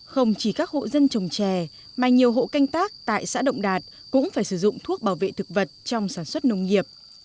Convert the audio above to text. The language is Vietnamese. không chỉ các hộ dân trồng trè mà nhiều hộ canh tác tại xã động đạt cũng phải sử dụng thuốc bảo vệ thực vật trong sản xuất nông nghiệp